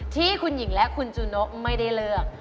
ที่คุณหญิงและคุณจูนกไม่ได้เลือก